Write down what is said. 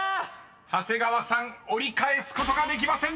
［長谷川さん折り返すことができませんでした］